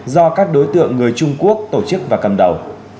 đối tượng người trung quốc tổ chức và cầm đầu